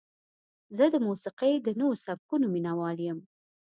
زه د موسیقۍ د نوو سبکونو مینهوال یم.